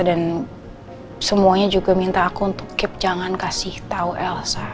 semuanya juga minta aku untuk keep jangan kasih tahu elsa